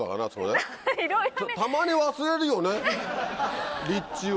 たまに忘れるよね立地を。